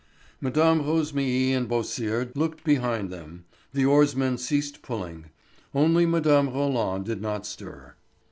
Mme. Rosémilly and Beausire looked behind them, the oarsmen ceased pulling; only Mme. Roland did not stir.